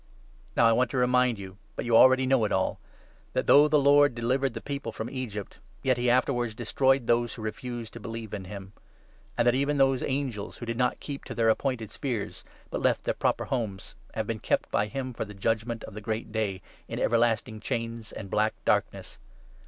Now I want to remind you — but you already 5 TeachJra'anci ^now li a^ — that, though the Lord delivered the their certain People from Egypt, yet he afterwards destroyed Doom. those who refused to believe in him ; and that 6 even those angels, who did not keep to their appointed spheres, but left their proper homes, have been kept by him for the judgement of the Great Day in everlasting chains and black darkness.